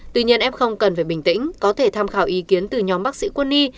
tuy nhiên f cần phải bình tĩnh có thể tham khảo ý kiến từ nhóm bác sĩ quân y